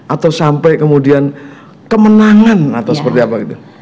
atau sampai kemudian kemenangan atau seperti apa gitu